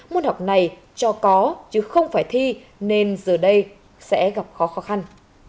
môn học này cho có chứ không phải thi nên giờ đây sẽ gặp khó khăn